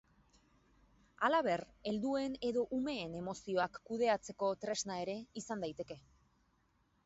Halaber helduen edo umeen emozioak kudeatzeko tresna ere izan daiteke.